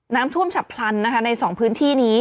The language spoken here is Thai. น้ำท่วมฉับพลันนะคะในสองพื้นที่นี้